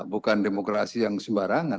bukan demokrasi yang sembarangan